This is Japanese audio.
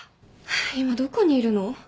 今どこにいるの？